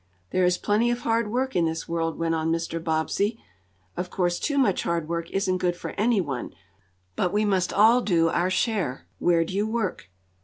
"There is plenty of hard work in this world," went on Mr. Bobbsey. "Of course too much hard work isn't good for any one, but we must all do our share. Where do you work?"